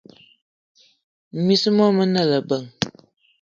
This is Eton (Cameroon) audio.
Miss mo mene ebeng.